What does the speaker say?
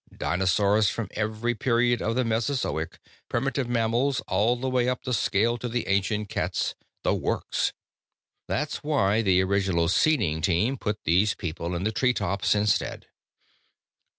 Dinosaurs from every period of the Mesozoic, primitive mammals all the way up the scale to the ancient cats the works. That's why the original seeding team put these people in the treetops instead."